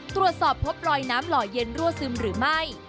ตรวจสอบพบรอยน้ำหล่อเย็นรั่วซึมหรือไม่